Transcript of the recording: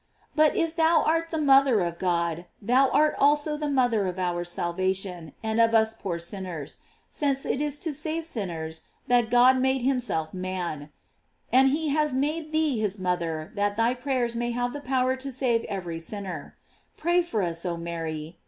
But if thou art the mother of God, thou art also the mother of our salvation, and of us poor sinners; since it is to save sinners that God made him self man; and he has made thee his mother that thy prayers may have the power to save every sinner. Pray for us, oh Mary.